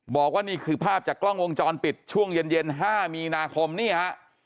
บอกว่านี่คือภาพจากกล้องวงจรปิดช่วงเย็น๕มีนาคมนี่ฮะ